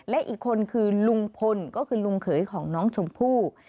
และอีกคนคือลุงพลก็คือลุงเขยของน้องชมพู่